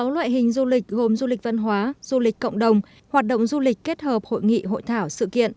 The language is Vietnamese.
sáu loại hình du lịch gồm du lịch văn hóa du lịch cộng đồng hoạt động du lịch kết hợp hội nghị hội thảo sự kiện